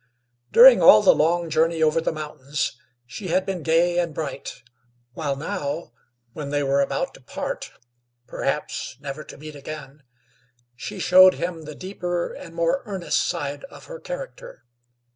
During all the long journey over the mountains she had been gay and bright, while now, when they were about to part, perhaps never to meet again, she showed him the deeper and more earnest side of her character.